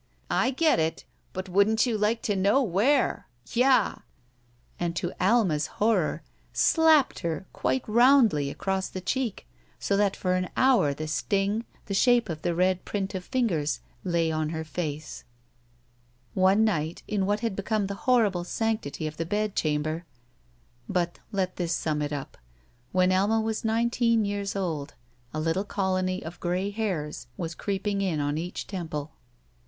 "I get it! But wouldn't you like to know where? Yah!" And to Alma's horror slapped her quite rotmdly across the cheek so that for an hour the sting, the shape of the red print of fingers, lay on her face* One night in what had become the horrible sanc tity of that bedchamber — But let this sum it up. When Alma was nineteen years old a little colony of gray hairs was creeping in on each temple.